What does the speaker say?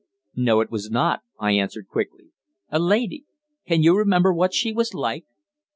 "No, it was not," I answered quickly. "A lady? Can you remember what she was like?"